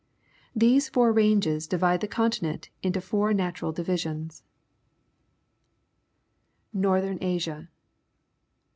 These four ranges di\ide the continent into four natural divisions. Northeni Asia.